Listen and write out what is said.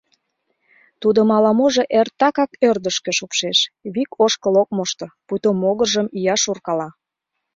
Тудым ала-можо эртакак ӧрдыжкӧ шупшеш, вик ошкыл ок мошто, пуйто могыржым ия шуркала.